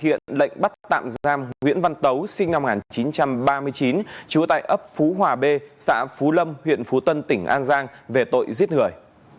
hiện lệnh bắt tạm giam nguyễn văn tấu sinh năm một nghìn chín trăm ba mươi chín trú tại ấp phú hòa b xã phú lâm huyện phú tân tỉnh an giang về tội giết người